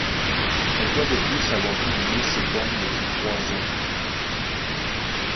Elle doit de plus avoir publié ses comptes depuis trois ans.